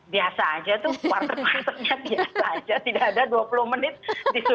biasa saja tuh warteg wartegnya biasa saja tidak ada dua puluh menit